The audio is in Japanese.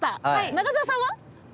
中澤さんは？